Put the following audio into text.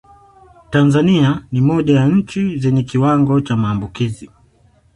Tanzania ni moja ya nchi zenye kiwango cha maambukizi